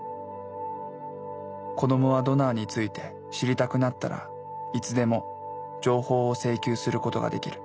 子どもはドナーについて知りたくなったらいつでも情報を請求することができる。